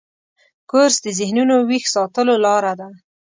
کورس د ذهنو ویښ ساتلو لاره ده.